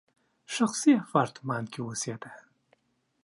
شخصي اپارتمان کې اوسېده.